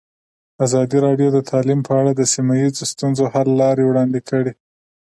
ازادي راډیو د تعلیم په اړه د سیمه ییزو ستونزو حل لارې راوړاندې کړې.